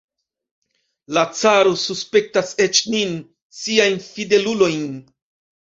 La caro suspektas eĉ nin, siajn fidelulojn!